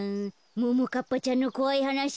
ももかっぱちゃんのこわいはなし